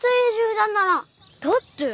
だって。